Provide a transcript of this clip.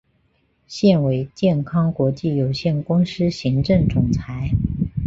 现为健康国际有限公司行政总裁。